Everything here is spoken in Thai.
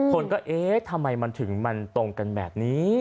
คนก็เอ๊ะทำไมมันถึงมันตรงกันแบบนี้